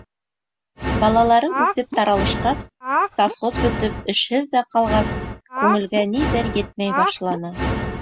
Балаларым үҫеп таралышҡас, совхоз бөтөп, эшһеҙ ҙә ҡалғас, күңелгә ниҙер етмәй башланы.